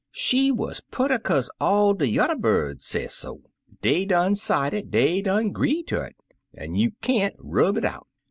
She wuz purty kaze all de yuther birds sesso. Dey done 'cide it — dey done 'gree ter it — an' you can't rub it out.